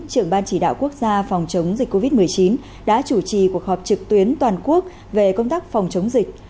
trưởng ban chỉ đạo quốc gia phòng chống dịch covid một mươi chín đã chủ trì cuộc họp trực tuyến toàn quốc về công tác phòng chống dịch